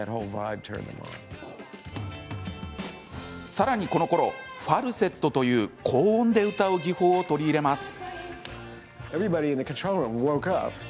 さらに、このころファルセットという高音で歌う技法を取り入れます。